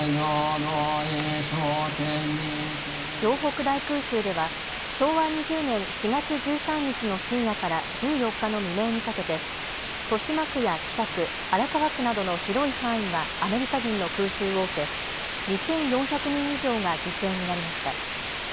城北大空襲では昭和２０年４月１３日の深夜から１４日の未明にかけて豊島区や北区、荒川区などの広い範囲がアメリカ軍の空襲を受け、２４００人以上が犠牲になりました。